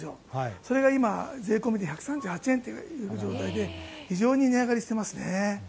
それが今税込みで１３８円という状態で非常に値上がりしていますね。